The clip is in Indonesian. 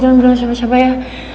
jangan bilang siapa siapa ya